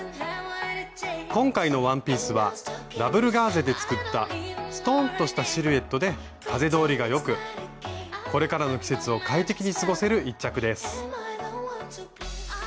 今回のワンピースはダブルガーゼで作ったストンとしたシルエットで風通りがよくこれからの季節を快適に過ごせる一着です。